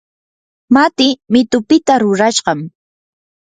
matii mitupita rurashqam.